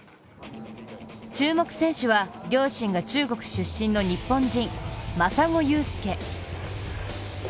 注目選手は、両親が中国出身の日本人、真砂勇介。